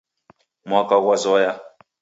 Mwaka ghw'azoya.